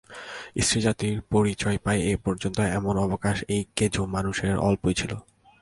স্ত্রীজাতির পরিচয় পায় এ পর্যন্ত এমন অবকাশ এই কেজো মানুষের অল্পই ছিল।